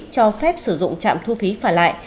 cho phép sử dụng trạm thu phí phản lại